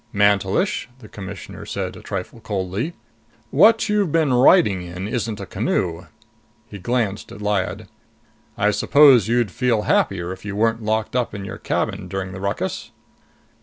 "Mantelish," the Commissioner said, a trifle coldly, "what you've been riding in isn't a canoe." He glanced at Lyad. "I suppose you'd feel happier if you weren't locked up in your cabin during the ruckus?"